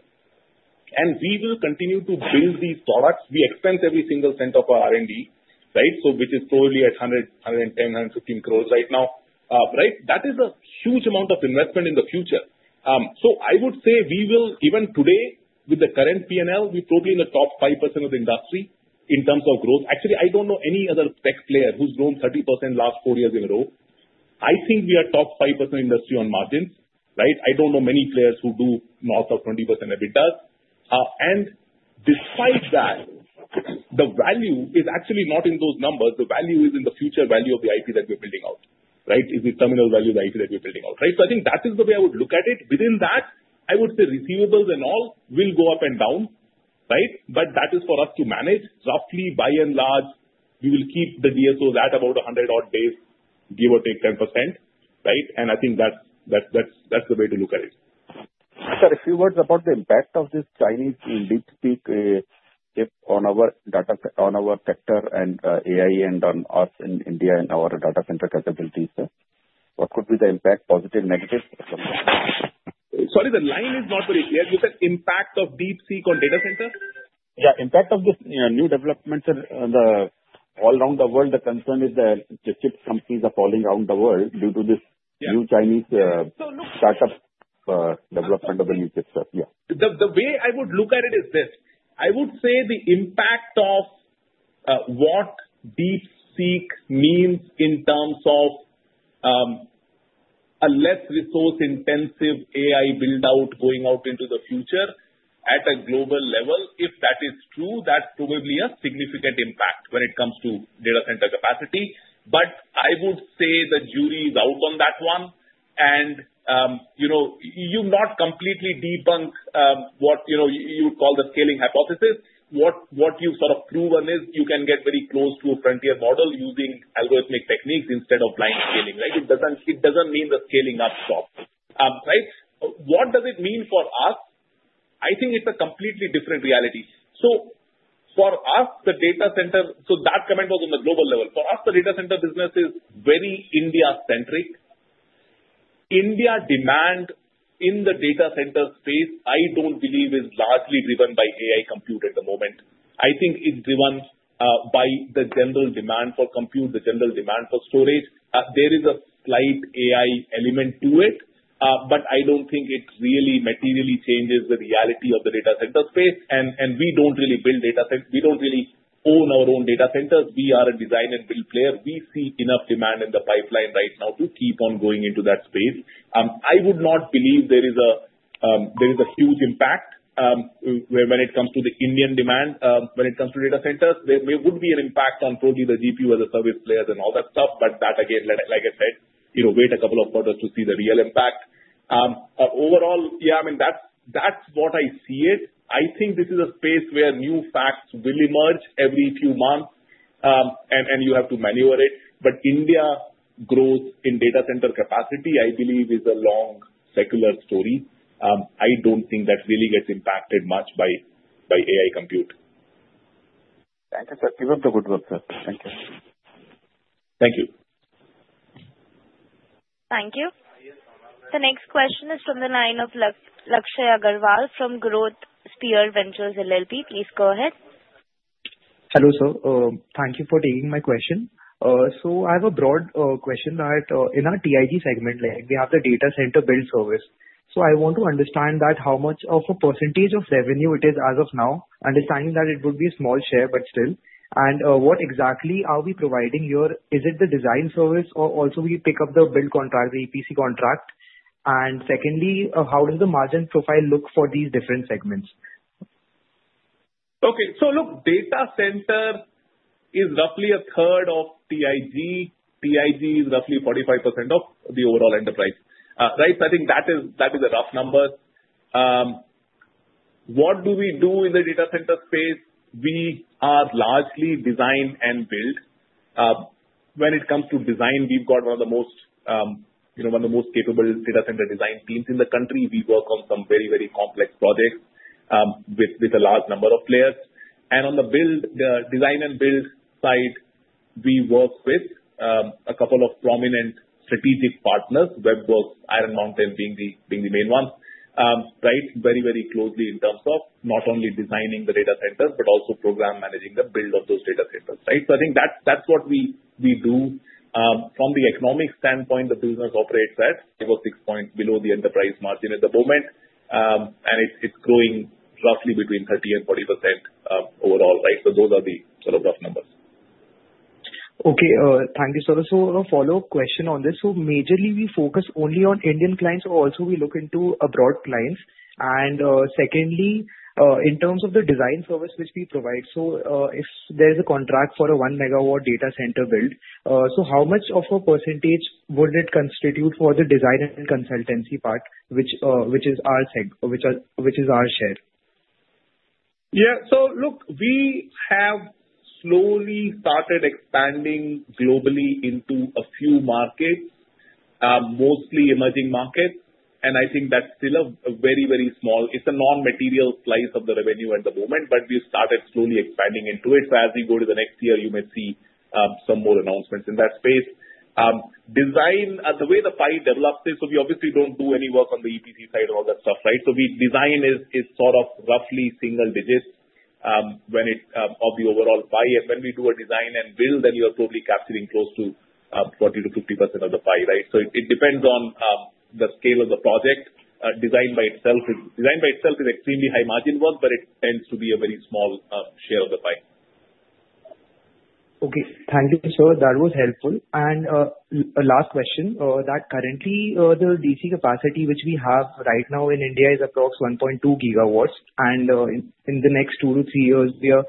And we will continue to build these products. We expend every single cent of our R&D, right? So which is probably at 110 crores-115 crores right now, right? That is a huge amount of investment in the future. So I would say we will, even today, with the current P&L, we're probably in the top 5% of the industry in terms of growth. Actually, I don't know any other tech player who's grown 30% last four years in a row. I think we are top 5% industry on margins, right? I don't know many players who do north of 20%, but it does, and despite that, the value is actually not in those numbers. The value is in the future value of the IP that we're building out, right? It's the terminal value of the IP that we're building out, right, so I think that is the way I would look at it. Within that, I would say receivables and all will go up and down, right, but that is for us to manage. Roughly, by and large, we will keep the DSOs at about 100-odd days, give or take 10%, right, and I think that's the way to look at it. Sir, a few words about the impact of this Chinese DeepSeek chip on our sector and AI and on us in India and our data center capabilities. What could be the impact, positive, negative? Sorry, the line is not very clear. You said impact of DeepSeek on data center? Yeah. Impact of this new development, sir, all around the world, the concern is that the chip companies are falling around the world due to this new Chinese startup development of the new chips, sir. Yeah. The way I would look at it is this. I would say the impact of what DeepSeek means in terms of a less resource-intensive AI build-out going out into the future at a global level. If that is true, that's probably a significant impact when it comes to data center capacity. But I would say the jury is out on that one. And you've not completely debunked what you would call the scaling hypothesis. What you've sort of proven is you can get very close to a frontier model using algorithmic techniques instead of blind scaling, right? It doesn't mean the scaling up stops, right? What does it mean for us? I think it's a completely different reality. So for us, the data center, so that comment was on the global level. For us, the data center business is very India-centric. India demand in the data center space, I don't believe, is largely driven by AI compute at the moment. I think it's driven by the general demand for compute, the general demand for storage. There is a slight AI element to it, but I don't think it really materially changes the reality of the data center space, and we don't really build data centers. We don't really own our own data centers. We are a design and build player. We see enough demand in the pipeline right now to keep on going into that space. I would not believe there is a huge impact when it comes to the Indian demand when it comes to data centers. There would be an impact on probably the GPU as a service player and all that stuff, but that, again, like I said, wait a couple of quarters to see the real impact. Overall, yeah, I mean, that's what I see it. I think this is a space where new facts will emerge every few months, and you have to maneuver it. But India growth in data center capacity, I believe, is a long secular story. I don't think that really gets impacted much by AI compute. Thank you, sir. You have the good words, sir. Thank you. Thank you. Thank you. The next question is from the line of Lakshay Agarwal from GrowthSphere Ventures LLP. Please go ahead. Hello, sir. Thank you for taking my question. So I have a broad question. In our TIG segment, we have the data center build service. So I want to understand how much of a percentage of revenue it is as of now, understanding that it would be a small share, but still. And what exactly are we providing here? Is it the design service, or also we pick up the build contract, the EPC contract? And secondly, how does the margin profile look for these different segments? Okay. So look, data center is roughly 1/3 of TIG. TIG is roughly 45% of the overall enterprise, right? So I think that is a rough number. What do we do in the data center space? We are largely design and build. When it comes to design, we've got one of the most—one of the most capable data center design teams in the country. We work on some very, very complex projects with a large number of players. And on the design and build side, we work with a couple of prominent strategic partners, Web Werks, Iron Mountain being the main ones, right? Very, very closely in terms of not only designing the data centers, but also program managing the build of those data centers, right? So I think that's what we do. From the economic standpoint, the business operates at over 6 points below the enterprise margin at the moment. And it's growing roughly between 30% and 40% overall, right? So those are the sort of rough numbers. Okay. Thank you, sir. So a follow-up question on this. So majorly, we focus only on Indian clients. Also, we look into abroad clients. And secondly, in terms of the design service which we provide, so if there's a contract for a 1 MW data center build, so how much of a percentage would it constitute for the design and consultancy part, which is our share? Yeah. So look, we have slowly started expanding globally into a few markets, mostly emerging markets. And I think that's still a very, very small, it's a non-material slice of the revenue at the moment, but we've started slowly expanding into it. So as we go to the next year, you may see some more announcements in that space. Design, the way the pie develops is, so we obviously don't do any work on the EPC side and all that stuff, right? So design is sort of roughly single digits of the overall pie. And when we do a design and build, then you're probably capturing close to 40%-50% of the pie, right? So it depends on the scale of the project. Design by itself is extremely high-margin work, but it tends to be a very small share of the pie. Okay. Thank you, sir. That was helpful. And last question, that currently, the DC capacity which we have right now in India is approximately 1.2 GW. And in the next two to three years, we are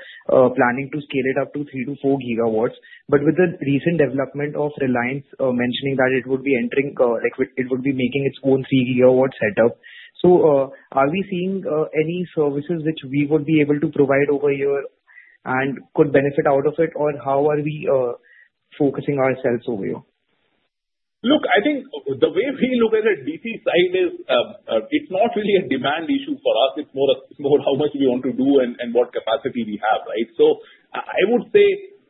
planning to scale it up to 3 GW-4 GW. But with the recent development of Reliance mentioning that it would be entering, it would be making its own 3-GW setup. So are we seeing any services which we would be able to provide over here and could benefit out of it? Or how are we focusing ourselves over here? Look, I think the way we look at it, DC side is it's not really a demand issue for us. It's more how much we want to do and what capacity we have, right? So I would say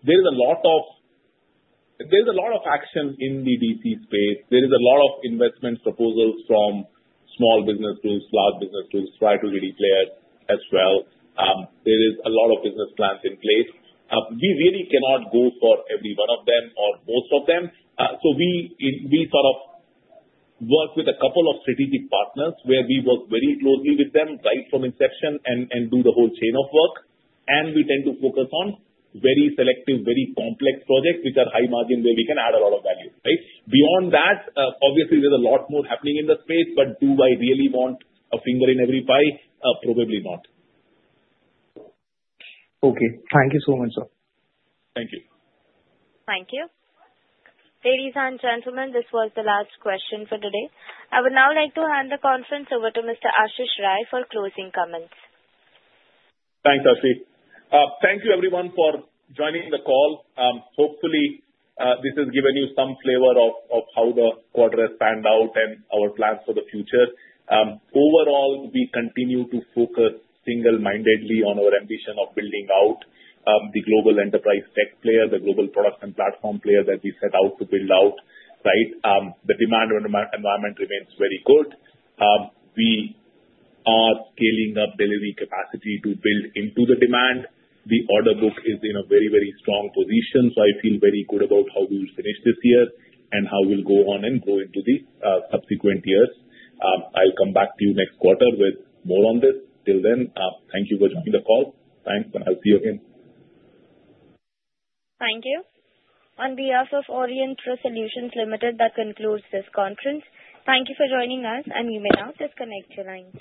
there is a lot of action in the DC space. There is a lot of investment proposals from small business groups, large business groups, real estate players as well. There is a lot of business plans in place. We really cannot go for every one of them or most of them. So we sort of work with a couple of strategic partners where we work very closely with them right from inception and do the whole chain of work. And we tend to focus on very selective, very complex projects which are high-margin where we can add a lot of value, right? Beyond that, obviously, there's a lot more happening in the space. But do I really want a finger in every pie? Probably not. Okay. Thank you so much, sir. Thank you. Thank you. Ladies and gentlemen, this was the last question for today. I would now like to hand the conference over to Mr. Ashish Rai for closing comments. Thanks, Ashish. Thank you, everyone, for joining the call. Hopefully, this has given you some flavor of how the quarter has panned out and our plans for the future. Overall, we continue to focus single-mindedly on our ambition of building out the global enterprise tech player, the global product and platform player that we set out to build out, right? The demand environment remains very good. We are scaling up delivery capacity to build into the demand. The order book is in a very, very strong position. So I feel very good about how we will finish this year and how we'll go on and grow into the subsequent years. I'll come back to you next quarter with more on this. Till then, thank you for joining the call. Thanks, and I'll see you again. Thank you. On behalf of Aurionpro Solutions Limited, that concludes this conference. Thank you for joining us, and you may now disconnect your lines.